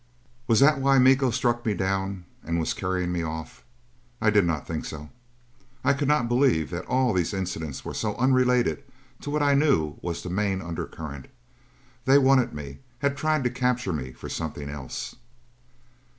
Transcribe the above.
Was that why Miko struck me down and was carrying me off? I did not think so. I could not believe that all these incidents were so unrelated to what I knew was the main undercurrent They wanted me, had tried to capture me for something else.